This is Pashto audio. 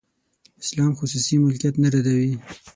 اسلام خصوصي ملکیت نه ردوي.